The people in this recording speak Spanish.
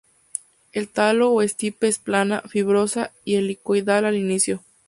El talo o estipe es plana, fibrosa y helicoidal al inicio.